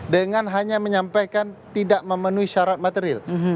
dengan hanya menyampaikan tidak memenuhi syarat material